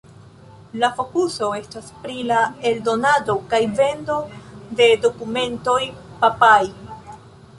La fokuso estas pri la eldonado kaj vendo de dokumentoj papaj.